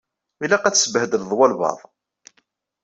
Ilaq ad tsebhedleḍ walebɛaḍ.